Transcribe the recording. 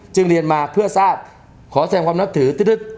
เรียนมาเพื่อทราบขอแสดงความนับถือ